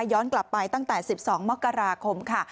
ย้อนกลับไปตั้งแต่๑๒มกราคมค่ะ